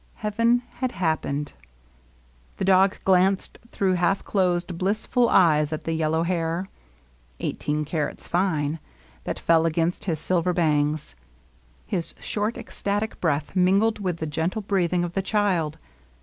Heaven had happened. The LOVELINESS, 7 dog glanced through half closed^ blissful eyes at the yellow hair — "eighteen carats fine'* — that fell against his silver bangs. His short ecstatic breath mingled with the gentle breathing of the child.